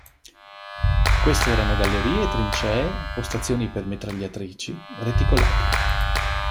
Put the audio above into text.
Queste erano gallerie, trincee, postazioni per mitragliatrici, reticolati.